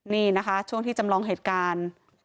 นี่นะคะช่วงที่จำลองเหตุการณ์